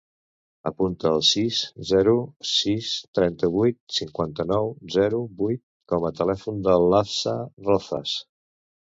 Apunta el sis, zero, sis, trenta-vuit, cinquanta-nou, zero, vuit com a telèfon de la Hafsa Rozas.